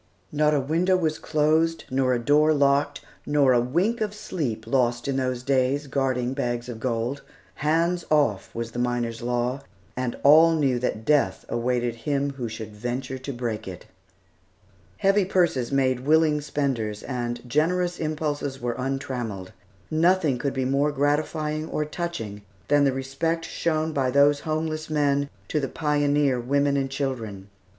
Not a window was closed, nor a door locked, nor a wink of sleep lost in those days, guarding bags of gold. "Hands off" was the miners' law, and all knew that death awaited him who should venture to break it. Heavy purses made willing spenders, and generous impulses were untrammelled. Nothing could be more gratifying or touching than the respect shown by those homeless men to the pioneer women and children.